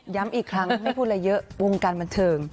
อีกครั้งไม่พูดอะไรเยอะวงการบันเทิง